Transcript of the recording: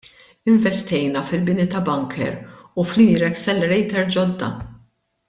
Investejna fil-bini ta' bunker u f'linear accelerator ġodda.